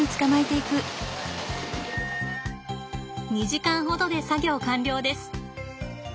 ２時間ほどで作業完了です。